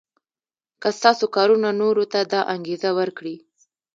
که ستاسو کارونه نورو ته دا انګېزه ورکړي.